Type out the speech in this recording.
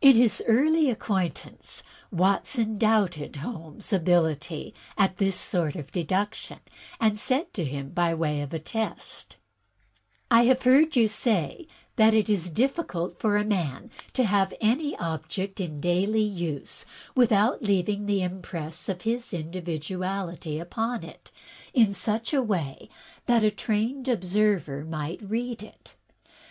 In his early acquaintance Watson doubted Holmes' ability at this sort of deduction, and said to him, by way of test: "I have heard you say that it is difficult for a man to have any object in daily use without leaving the impress of his individuality upon it in such a way that a trained observer might read it.